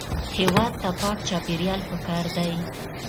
هېواد ته پاک چاپېریال پکار دی